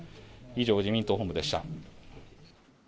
以上、自民党本部でした。